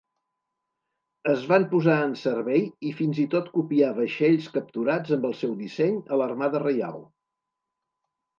Es van posar en servei i fins i tot copiar vaixells capturats amb el seu disseny a l'Armada reial.